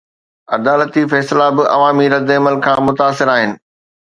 عدالتي فيصلا به عوامي ردعمل کان متاثر آهن؟